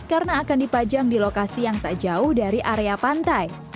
karena akan dipajang di lokasi yang tak jauh dari area pantai